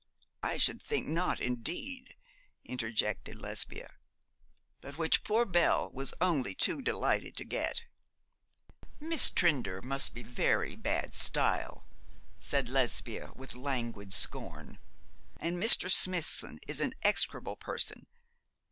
'I should think not, indeed,' interjected Lesbia. 'But which poor Belle was only too delighted to get.' 'Miss Trinder must be very bad style,' said Lesbia, with languid scorn, 'and Mr. Smithson is an execrable person.